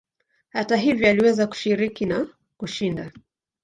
Hata hivyo aliweza kushiriki na kushinda.